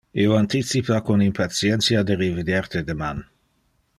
Io anticipa con impatientia de revider te deman.